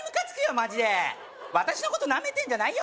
マジで私のことナメてんじゃないよ